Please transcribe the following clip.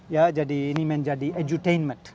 ya jadi ini menjadi edutainment